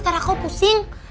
tarah aku pusing